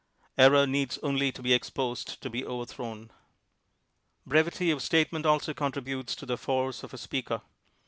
Error needs only to be exposed to be over thrown. Brevity of statement also contributes to the force of a speaker.